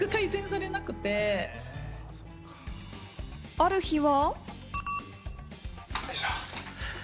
ある日は。